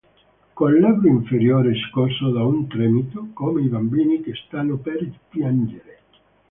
Col labbro inferiore scosso da un tremito, come i bambini che stanno per piangere.